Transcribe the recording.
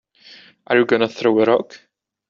Are you gonna throw a rock?